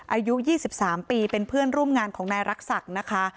อายุ๒๓ปีเป็นเพื่อนร่วมงานของนายรักษักนะคะ